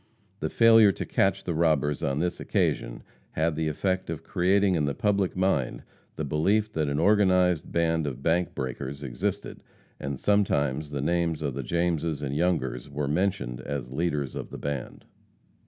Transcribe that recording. The failure to catch the robbers on this occasion had the effect of creating in the public mind the belief that an organized band of bank breakers existed, and sometimes the names of the Jameses and Youngers were mentioned as leaders of the band.